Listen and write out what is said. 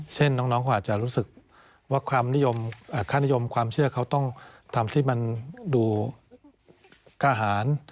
เช่นน้องเขาอาจจะรู้สึกว่าความนิยมค่านิยมความเชื่อเขาต้องทำที่มันดูกล้าหาร